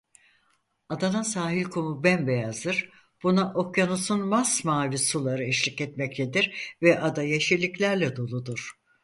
Adanın sahil kumu bembeyazdır buna okyanusun masmavi suları eşlik etmektedir ve ada yeşilliklerle doludur.